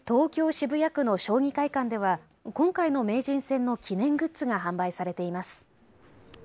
渋谷区の将棋会館では今回の名人戦の記念グッズが販売されています。